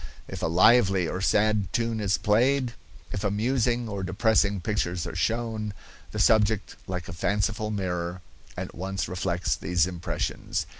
If a lively or sad tune is played, if amusing or depressing pictures are shown, the subject, like a faithful mirror, at once reflects these impressions.